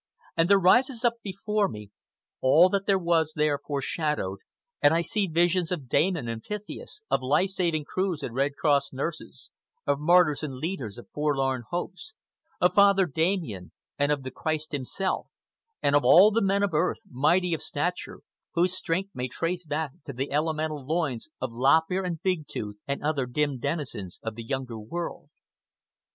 And there rises up before me all that was there foreshadowed, and I see visions of Damon and Pythias, of life saving crews and Red Cross nurses, of martyrs and leaders of forlorn hopes, of Father Damien, and of the Christ himself, and of all the men of earth, mighty of stature, whose strength may trace back to the elemental loins of Lop Ear and Big Tooth and other dim denizens of the Younger World.